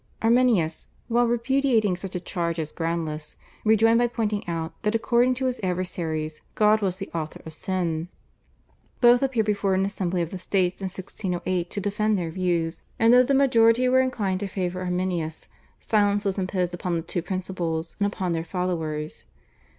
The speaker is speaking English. Arminius, while repudiating such a charge as groundless, rejoined by pointing out that according to his adversaries God was the author of sin. Both appeared before an Assembly of the States in 1608 to defend their views, and though the majority were inclined to favour Arminius, silence was imposed upon the two principals and upon their followers.